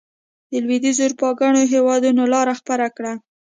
د لوېدیځې اروپا ګڼو هېوادونو لار خپله کړه.